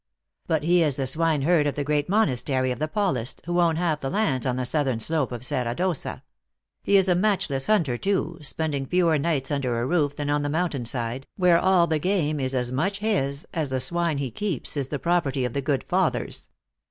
" But he is the swine herd of the great monastery of the Paulists, who own half the lands on the southern slope of Serra d Ossa. He is a matchless hunter too, spending fewer nights under a roof than on the moun tain side, where all the game is as much his, as the swine he keeps is the property of the good fathers.